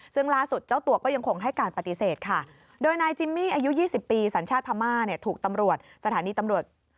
ซึ่งล่าสุดเจ้าตัวก็ยังคงให้การปฏิเสธค่ะ